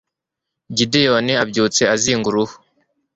gideyoni abyutse azinga uruhu